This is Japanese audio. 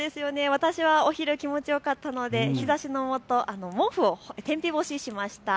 私はお昼、気持ちよかったので日ざしのもと毛布を天日干ししました。